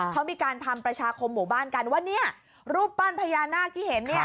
เขามีการทำประชาคมหมู่บ้านกันว่ารูปปั้นพยานาคที่เห็น